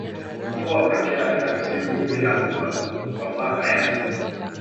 Mvua hutokea katika misimu miwili ya mvua kwa mwaka yani